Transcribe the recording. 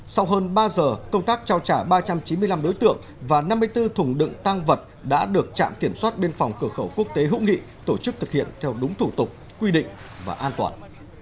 sau hơn ba giờ công tác trao trả ba trăm chín mươi năm đối tượng và năm mươi bốn thùng đựng tăng vật đã được trạm kiểm soát biên phòng cửa khẩu quốc tế hữu nghị tổ chức thực hiện theo đúng thủ tục quy định và an toàn